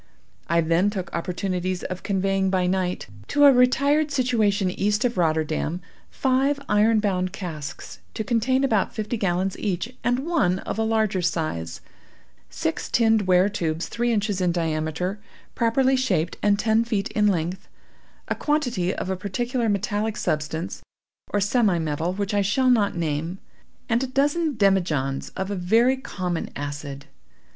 I then took opportunities of conveying by night, to a retired situation east of Rotterdam, five iron bound casks, to contain about fifty gallons each, and one of a larger size; six tinned ware tubes, three inches in diameter, properly shaped, and ten feet in length; a quantity of a particular metallic substance, or semi metal, which I shall not name, and a dozen demijohns of a very common acid.